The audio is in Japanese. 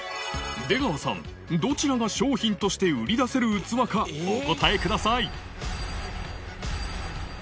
出川さん、どちらが商品として売り出せる器かお答えください。